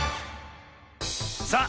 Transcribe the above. さあ